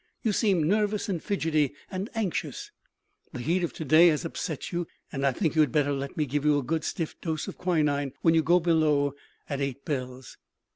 You seem nervous, and fidgety, and anxious. The heat of to day has upset you; and I think you had better let me give you a good stiff dose of quinine when you go below, at eight bells."